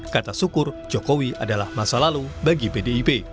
kata syukur jokowi adalah masa lalu bagi pdip